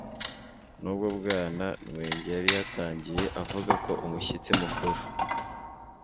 nubwo bwana nwege yari yatangiye avuga ko umushyitsi mukuru